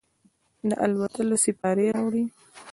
د الوتلو سیپارې راوړي